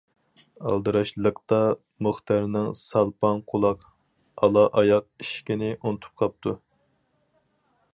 ئالدىراشلىقتا مۇختەرنىڭ سالپاڭ قۇلاق، ئالا ئاياق ئىشىكىنى ئۇنتۇپ قاپتۇ.